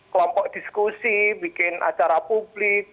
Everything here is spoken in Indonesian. kelompok diskusi bikin acara publik